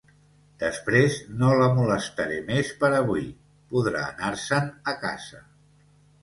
Després no la molestaré més per avui; podrà anar-se'n a casa.